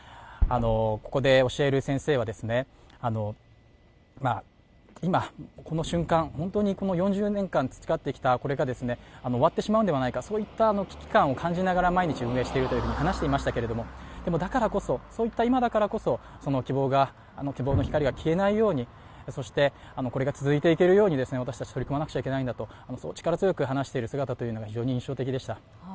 ここで教える先生は、今、この瞬間、本当にこの４０年間培ってきたこれが終わってしまうのではないかそういった危機感を感じながら毎日運営していると話していましたけどだからこそそういった今だからこそ希望の光が消えないようにそして、これが続いていけるように私たち、取り組まなくちゃいけないんだと力強く話している姿というのが非常に印象的でした。